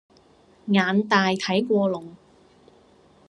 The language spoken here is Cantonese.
眼大睇過龍